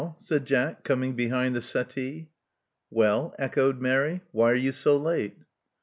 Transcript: said Jack, coming behind the settee. Well," echoed Mary. Why are you so late?"